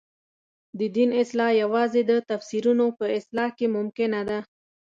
د دین اصلاح یوازې د تفسیرونو په اصلاح کې ممکنه ده.